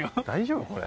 大丈夫？